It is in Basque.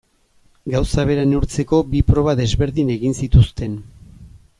Gauza bera neurtzeko bi proba desberdin egin zituzten.